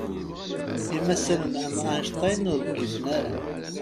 Imassanen am Einstein ur ggiten ara.